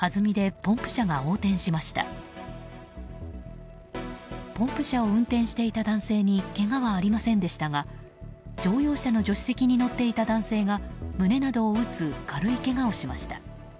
ポンプ車を運転していた男性にけがはありませんでしたが乗用車の助手席に乗っていた男性が胸などを打つ軽いけがをしました。